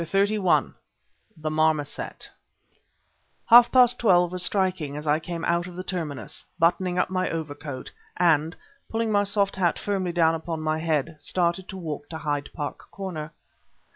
CHAPTER XXXI THE MARMOSET Half past twelve was striking as I came out of the terminus, buttoning up my overcoat, and pulling my soft hat firmly down upon my head, started to walk to Hyde Park Corner.